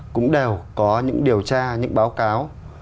cũng đều có những điều tra những báo cáo